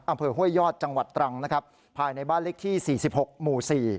ห้วยยอดจังหวัดตรังนะครับภายในบ้านเลขที่๔๖หมู่๔